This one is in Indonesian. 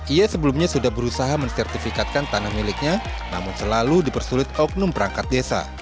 ia sebelumnya sudah berusaha mensertifikatkan tanah miliknya namun selalu dipersulit oknum perangkat desa